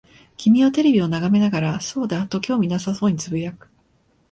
君はテレビを眺めながら、そうだ、と興味なさそうに呟く。